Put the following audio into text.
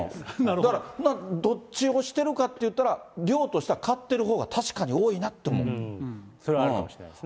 だからまあ、どっちを押してるかといったら量としたら買ってるほうが確かに多それはあるかもしれないですね。